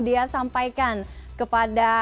dea sampaikan kepada